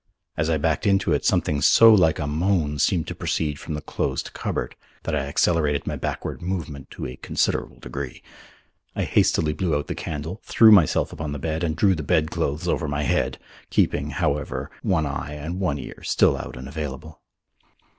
As I backed into it something so like a moan seemed to proceed from the closed cupboard that I accelerated my backward movement to a considerable degree. I hastily blew out the candle, threw myself upon the bed and drew the bedclothes over my head, keeping, however, one eye and one ear still out and available.